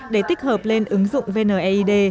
để tích hợp lên ứng dụng vneid